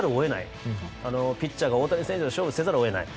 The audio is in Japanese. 相手ピッチャーが大谷選手と勝負せざるを得ない。